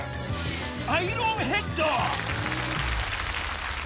アイロンヘッド。